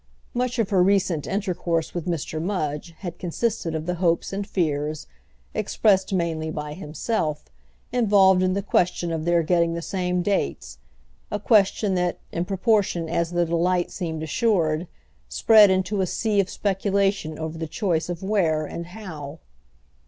Much of her recent intercourse with Mr. Mudge had consisted of the hopes and fears, expressed mainly by himself, involved in the question of their getting the same dates—a question that, in proportion as the delight seemed assured, spread into a sea of speculation over the choice of where and how.